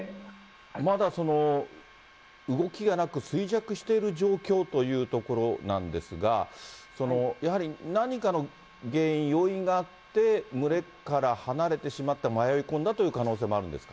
まだ動きがなく衰弱している状況というところなんですが、やはり何かの原因、要因があって、群れから離れてしまって迷い込んだという可能性もあるんですか？